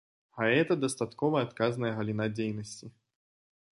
А гэта дастаткова адказная галіна дзейнасці.